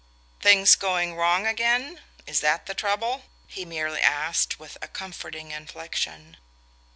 "Things going wrong again is that the trouble?" he merely asked with a comforting inflexion.